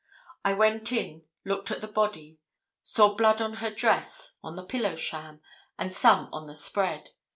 I went in, looked at the body, saw blood on her dress, on the pillow sham, and some on the spread.